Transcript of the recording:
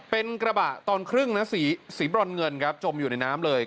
เป็นกระบะตอนครึ่งนะสีบรอนเงินครับจมอยู่ในน้ำเลย